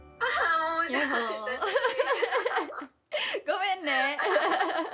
ごめんね。